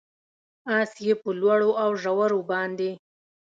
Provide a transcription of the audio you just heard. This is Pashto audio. اس یې په لوړو اوژورو باندې،